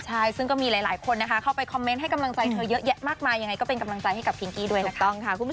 ใช่ซึ่งก็มีหลายคนนะคะเข้าไปคอมเมนต์ให้กำลังใจเธอเยอะแยะมากมายยังไงก็เป็นกำลังใจให้กับพิงกี้ด้วยนะคะ